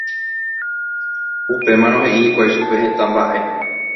Upémarõ he'i hikuái chupe heta mba'e